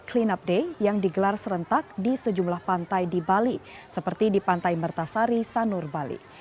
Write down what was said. aksi ini juga dikenal sebagai world clean up day yang digelar serentak di sejumlah pantai di bali seperti di pantai mertasari sanur bali